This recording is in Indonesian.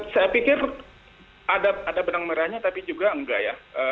saya pikir ada benang merahnya tapi juga enggak ya